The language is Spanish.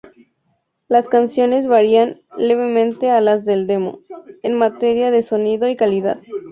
Las canciones varían levemente a las del demo, en materia de sonido y calidad.